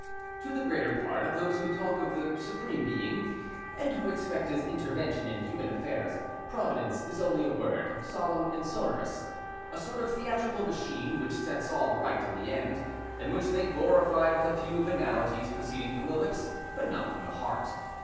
To the greater part of those who talk of the "Supreme Being," and who expect His intervention in human affairs, "Providence" is only a word, solemn and sonorous, a sort of theatrical machine which sets all right in the end, and which they glorify with a few banalities proceeding from the lips, but not from the heart.